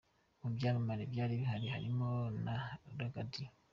Mu byamamare byari bihari harimo na Ragga Dee.